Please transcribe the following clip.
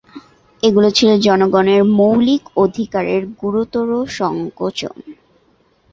এগুলো ছিল জনগণের মৌলিক অধিকারের গুরুতর সংকোচন।